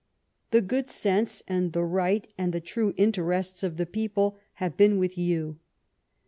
The good sense and the right and the true interests of the people have been with you.